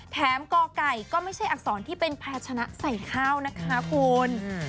กไก่ก็ไม่ใช่อักษรที่เป็นภาชนะใส่ข้าวนะคะคุณ